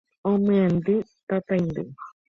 omyendy tataindy